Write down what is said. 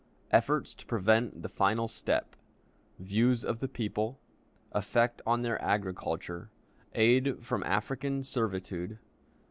Efforts to prevent the Final Step. Views of the People. Effect on their Agriculture. Aid from African Servitude.